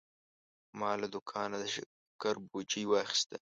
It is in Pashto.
ما له دوکانه د شکر بوجي واخیسته.